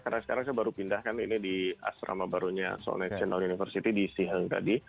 karena sekarang saya baru pindahkan ini di asrama barunya seoul national university di sihanoukot